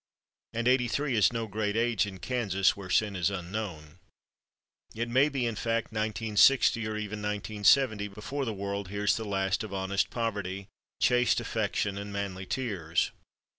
And eighty three is no great age in Kansas, where sin is unknown. It may be, in fact, 1960, or even 1970, before the world hears the last of Honest Poverty, Chaste Affection and Manly Tears.